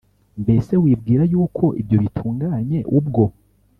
Mbese wibwira yuko ibyo bitunganye ubwo